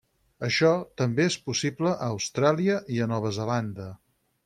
Això també és possible a Austràlia i a Nova Zelanda.